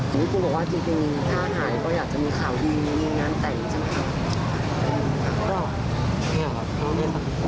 ที่ครูบอกว่าจริงถ้าหายก็อยากจะมีข่าวดีมีงานแต่งใช่ไหมครับ